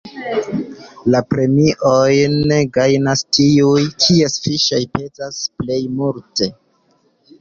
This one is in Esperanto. La premiojn gajnas tiuj, kies fiŝoj pezas plej multe.